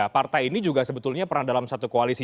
partai ini juga sebetulnya pernah dalam satu koalisi